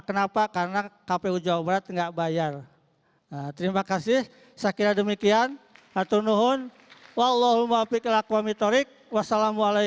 kenapa karena kpu jawa barat tidak berpengenalan dengan kpu provinsi jawa barat